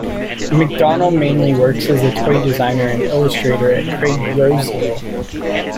McDonnell mainly works as a toy designer and illustrator at Craig Yoe's Yoe!